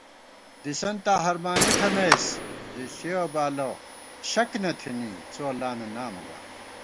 دِسنتاں ہرمانی تھنَئیس ژِݪِیَہ بالہ شَک نہ تھنی څواللہ نہ نامہ گا